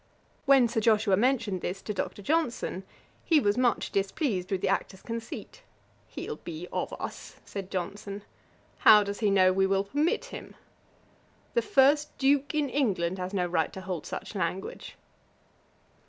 When Sir Joshua mentioned this to Dr. Johnson, he was much displeased with the actor's conceit. 'He'll be of us, (said Johnson) how does he know we will permit him? The first Duke in England has no right to hold such language.'